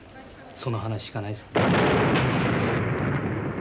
その話しかないさ。